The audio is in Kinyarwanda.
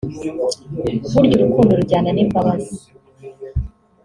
Burya urukundo rujyana n’imbabazi